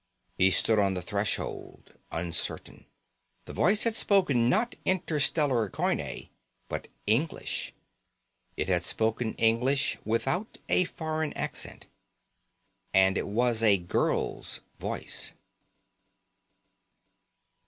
He stood on the threshold, uncertain. The voice had spoken not Interstellar Coine, but English. It had spoken English, without a foreign accent. And it was a girl's voice.